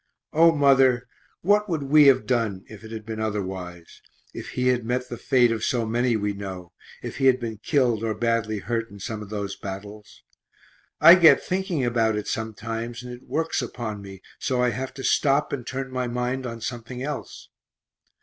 O mother, what would we [have] done if it had been otherwise if he had met the fate of so many we know if he had been killed or badly hurt in some of those battles? I get thinking about it sometimes, and it works upon me so I have to stop and turn my mind on something else.